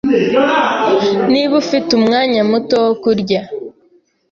Niba ufite umwanya muto wo kurya,